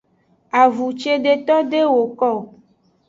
Avun cedeto de woko o.